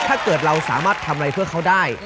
ถ้าเกิดเราสามารถทำอะไรเพื่อเขาได้